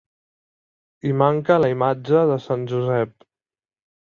Hi manca la imatge de Sant Josep.